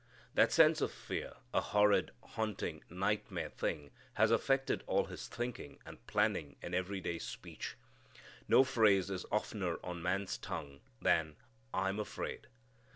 That sense of fear a horrid, haunting, nightmare thing has affected all his thinking and planning and every day speech. No phrase is oftener on man's tongue than "I'm afraid."